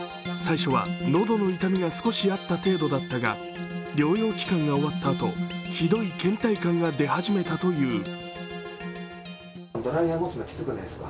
最初は喉の痛みが少しあった程度だったが、療養期間が終わったあとひどいけん怠感が出始めたという。